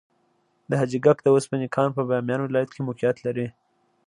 د حاجي ګک د وسپنې کان په بامیان ولایت کې موقعیت لري.